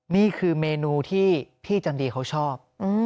นี่คือเมนูที่พี่จันดีเขาชอบ